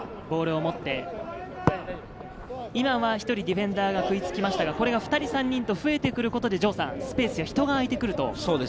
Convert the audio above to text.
ボールを持って、今は１人ディフェンダーがつきましたが、これが２人、３人と増えてくることで、スペースや人があいてくると。